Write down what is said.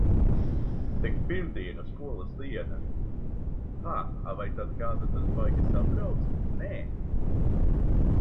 Tak pirmdiena skolas diena. Ha, a vai tad kādu tas baigi satrauc? Nē!